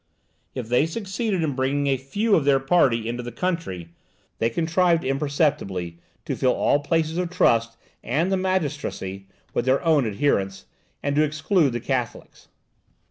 If they succeeded in bringing a few of their party into the country, they contrived imperceptibly to fill all places of trust and the magistracy with their own adherents, and to exclude the Catholics.